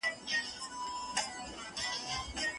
زموږ له ډلي اولادونه ځي ورکیږي